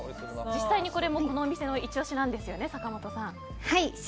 実際にこれもこの店のイチ押しなんですよね、坂本さん。